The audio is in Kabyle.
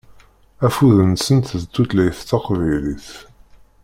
Afud-nsent d tutlayt taqbaylit.